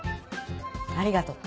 ありがと。